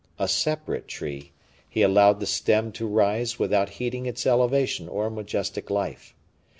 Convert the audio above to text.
A separate tree, he allowed the stem to rise without heeding its elevation or majestic life.